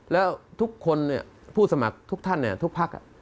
แล้วทุกคนผู้สมัครทุกท่านทุกภักดิ์